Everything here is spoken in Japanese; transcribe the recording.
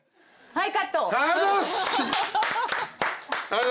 はい。